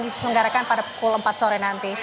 diselenggarakan pada pukul empat sore nanti